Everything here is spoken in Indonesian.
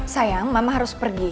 sayang mama harus pergi